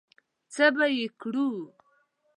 څه به یې کړو؟